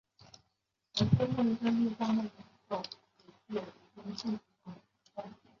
碑址现在中国吉林省集安市集安镇好太王陵东。